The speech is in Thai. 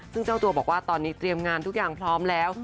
ซึ่งเจ้าตัวบอกว่าตอนนี้เตรียมงานทุกอย่างพร้อมแล้ว